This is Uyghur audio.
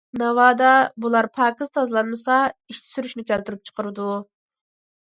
ناۋادا بۇلار پاكىز تازىلانمىسا، ئىچ سۈرۈشنى كەلتۈرۈپ چىقىرىدۇ.